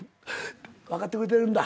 分かってくれてるんだ。